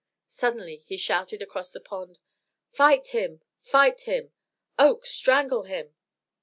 Suddenly he shouted across the pond "Fight him! fight him! Oakes, strangle him."